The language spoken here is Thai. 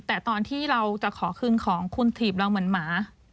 แต่ตอนที่เราจะขอคืนของคุณถีบเราเหมือนหมา